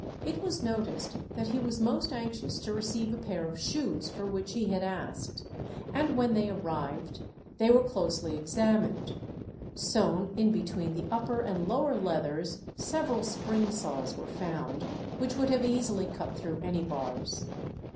It was noticed that he was most anxious to receive a pair of shoes for which he had asked, and when they arrived they were closely examined. Sewn in between the upper and lower leathers several spring saws were found, which would have easily cut through any bars.